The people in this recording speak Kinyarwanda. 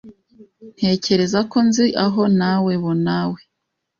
Ntekereza ko nzi aho nawebonawe .